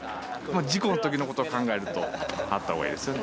事故のときのことを考えると、あったほうがいいですね。